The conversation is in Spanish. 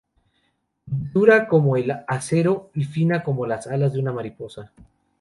Dura como el acero, y fina como las alas de una mariposa.